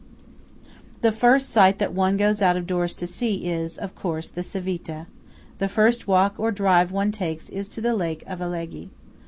The first sight that one goes out of doors to see is, of course, the Civita; the first walk or drive one takes is to the lake of Alleghe.